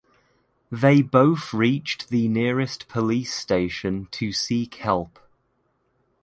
They both reached the nearest police station to seek help.